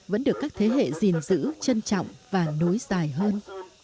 vẫn được các thế hệ gìn giữ trân trọng và nối dài hơn